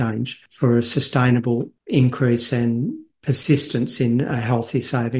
dan keberhentian dalam ratusan penyelamat yang sehat